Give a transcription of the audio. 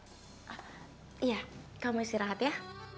iya kamu istirahat ya